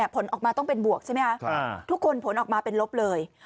ผลออกมาต้องเป็นบวกใช่ไหมคะทุกคนผลออกมาเป็นลบเลย